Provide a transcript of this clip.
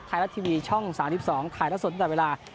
ไทยรัฐทีวีช่อง๓๒ถ่ายละสดตั้งแต่เวลา